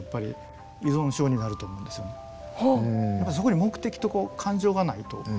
そこに目的と感情がないと。